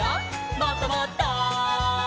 もっともっと」